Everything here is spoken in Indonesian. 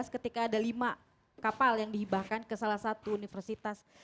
ketika ada lima kapal yang dihibahkan ke salah satu universitas